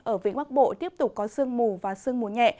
ở vĩnh bắc bộ tiếp tục có sương mù và sương mù nhẹ